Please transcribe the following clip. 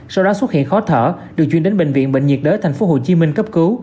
sau đó xuất hiện khó thở được chuyển đến bệnh viện bệnh nhiệt đới thành phố hồ chí minh cấp cứu